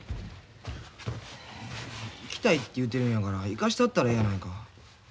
行きたいて言うてるんやから行かしたったらえやないか。